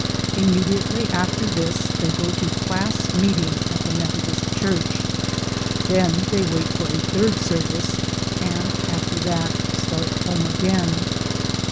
Immediately after this they go to class meeting at the Methodist Church. Then they wait for a third service, and after that start out home again.